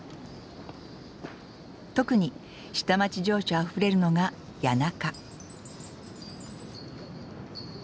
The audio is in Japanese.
特に下町情緒あふれるのが谷中。